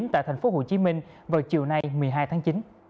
tại tp hcm vào chiều nay một mươi hai tháng chín